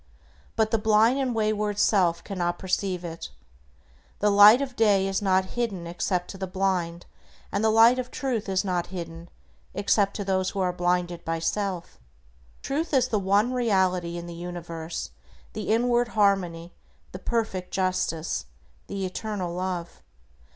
But the blind and wayward self cannot perceive it. The light of day is not hidden except to the blind, and the Light of Truth is not hidden except to those who are blinded by self. Truth is the one Reality in the universe, the inward Harmony, the perfect Justice, the eternal Love.